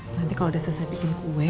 nanti kalau sudah selesai bikin kue